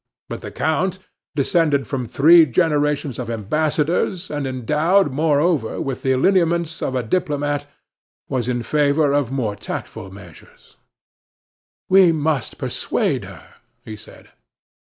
But the count, descended from three generations of ambassadors, and endowed, moreover, with the lineaments of a diplomat, was in favor of more tactful measures. "We must persuade her," he said.